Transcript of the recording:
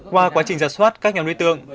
qua quá trình giả soát các nhà đối tượng